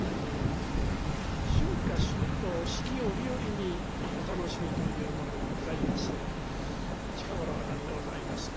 春夏秋冬四季折々にお楽しみというものがございますが近頃は何でございますね